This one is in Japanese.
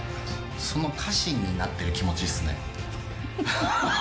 その家臣になってる気持ちっすね。